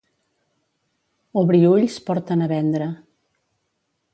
Obriülls porten a vendre.